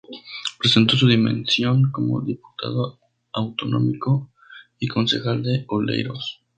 Presentó su dimisión como diputado autonómico y concejal de Oleiros.